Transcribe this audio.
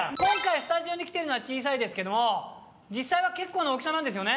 ２スタジオに来てるのは小さいですけども尊櫃結構な大きさなんですよね？